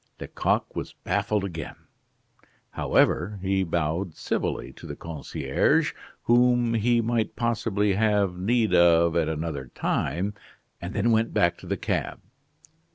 Lecoq was baffled again; however, he bowed civilly to the concierge, whom he might possibly have need of at another time, and then went back to the cab.